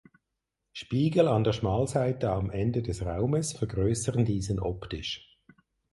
Spiegel an der Schmalseite am Ende des Raumes vergrößern diesen optisch.